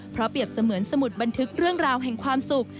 เพราะเปรียบเสมือนสมุดบันทึกเรื่องราวแห่งความสุข